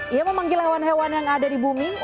ia memanggil hewan hewan yang ada di bumi